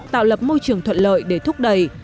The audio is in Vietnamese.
tạo lập môi trường thuận lợi để thúc đẩy